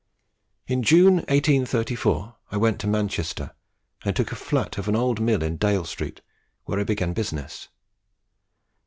In June, 1834, I went to Manchester, and took a flat of an old mill in Dale Street, where I began business.